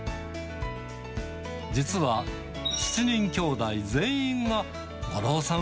実は、７人きょうだい全員が、五郎さん